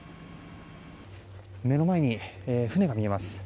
目の前に、船が見えます。